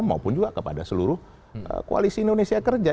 maupun juga kepada seluruh koalisi indonesia kerja